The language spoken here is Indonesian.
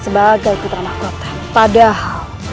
sebagai putra makota padahal